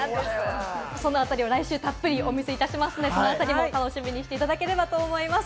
そのあたり来週たっぷりとお見せしますので、楽しみにしていただければと思います。